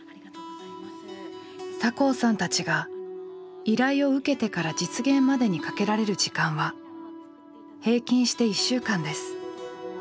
酒匂さんたちが依頼を受けてから実現までにかけられる時間は平均して１週間です。